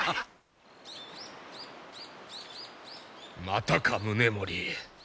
またか宗盛。